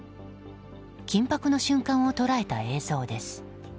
緊迫の瞬間を捉えた映像です。